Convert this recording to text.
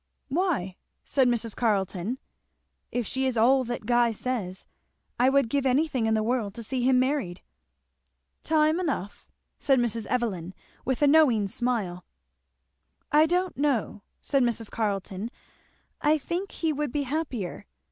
"Why?" said Mrs. Carleton. "If she is all that Guy says, I would give anything in the world to see him married." "Time enough," said Mrs. Evelyn with a knowing smile. "I don't know," said Mrs. Carleton, "I think he would be happier.